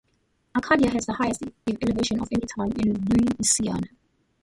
Arcadia has the highest elevation of any town in Louisiana.